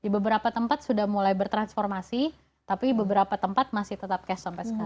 beberapa tempat sudah mulai bertransformasi tapi beberapa tempat masih tetap cash sampai sekarang